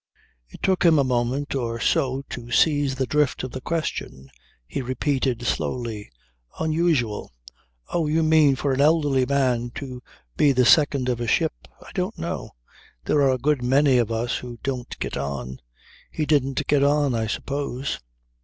It took him a moment or so to seize the drift of the question. He repeated slowly: 'Unusual ... Oh, you mean for an elderly man to be the second of a ship. I don't know. There are a good many of us who don't get on. He didn't get on, I suppose.'